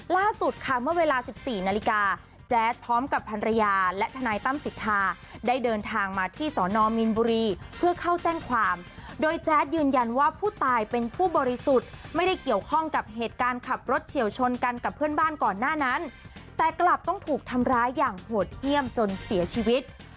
ล่าสุดค่ะเมื่อเวลา๑๔นาฬิกาแจ๊ดพร้อมกับภรรยาและทนายตั้มสิทธาได้เดินทางมาที่สอนอมมีนบุรีเพื่อเข้าแจ้งความโดยแจ๊ดยืนยันว่าผู้ตายเป็นผู้บริสุทธิ์ไม่ได้เกี่ยวข้องกับเหตุการณ์ขับรถเฉียวชนกันกับเพื่อนบ้านก่อนหน้านั้นแต่กลับต้องถูกทำร้ายอย่างโหดเยี่ยมจนเสียชีวิต